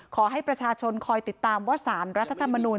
ขอให้ประชาชนคอยติดตามว่าสารรัฐธรรมนูล